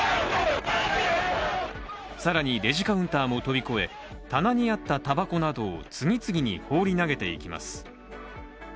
更にレジカウンターも跳び越え棚にあったたばこなどを次々に放り投げていきます。